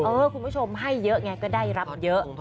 คุณผู้ชมให้เยอะไงก็ได้รับเยอะ